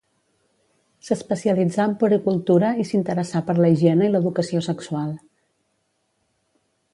S'especialitzà en puericultura i s'interessà per la higiene i l'educació sexual.